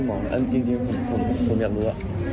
มันชัดได้ไหมจริงผมอยากรู้